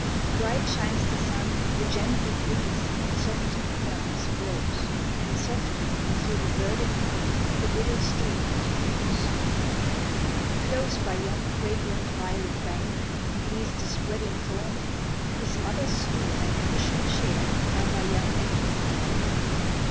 Bright shines the sun, the gentle breeze In soften'd murmurs blows, And softly through the verdant mead, The little streamlet flows. Close by yon fragrant violet bank, Beneath the spreading thorn, His mother's stool and cushion'd chair Are by young Edward borne.